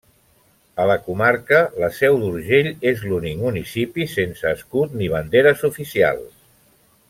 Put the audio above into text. A la comarca, la Seu d'Urgell és l'únic municipi sense escut ni bandera oficials.